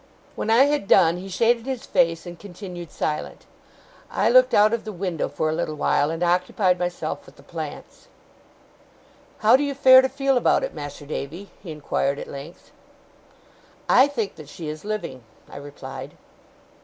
When I had done, he shaded his face, and continued silent. I looked out of the window for a little while, and occupied myself with the plants. 'How do you fare to feel about it, Mas'r Davy?' he inquired at length. 'I think that she is living,' I replied.